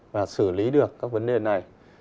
và xử lý được các vấn đề này